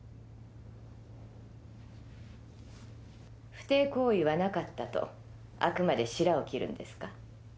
不貞行為はなかったとあくまでしらを切るんですか？